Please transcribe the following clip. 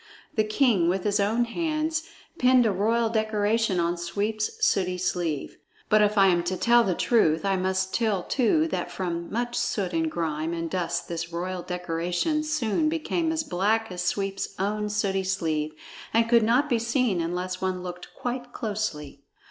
The king with his own hands pinned a royal decoration on Sweep's sooty sleeve. (But if I am to tell the truth, I must tell too that from much soot and grime and dust this royal decoration soon became as black as Sweep's own sooty sleeve and could not be seen unless one looked quite closely.)